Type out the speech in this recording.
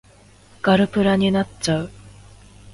ガルプラになっちゃう